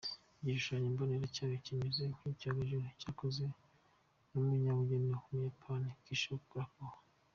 Igishushanyo mbonera cyayo kimeze nk’icyogajuru cyakozwe n’umunyabugeni w’Umuyapani Kisho Kurokawa.